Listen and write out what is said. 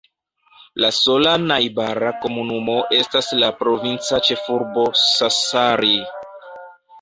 La sola najbara komunumo estas la provinca ĉefurbo Sassari.